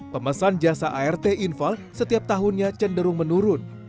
pemesan jasa art infal setiap tahunnya cenderung menurun